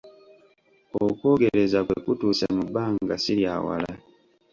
Okwogereza kwe kutuuse mu bbanga si lya wala.